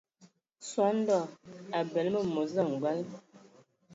Sɔndɔ a bəle məmos samgbal.